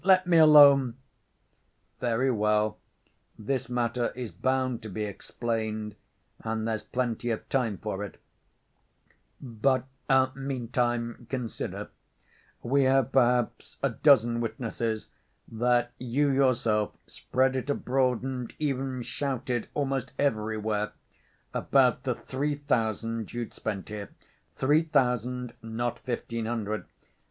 Let me alone!" "Very well, this matter is bound to be explained, and there's plenty of time for it, but meantime, consider; we have perhaps a dozen witnesses that you yourself spread it abroad, and even shouted almost everywhere about the three thousand you'd spent here; three thousand, not fifteen hundred.